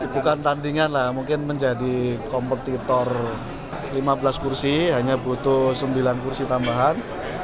bukan tandingan lah mungkin menjadi kompetitor lima belas kursi hanya butuh sembilan kursi tambahan